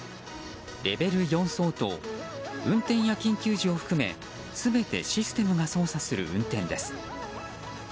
レベル４相当運転や緊急時を含め全てシステムが操作する運転です。